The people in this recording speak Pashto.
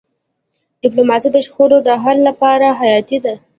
ډيپلوماسي د شخړو د حل لپاره حیاتي ده.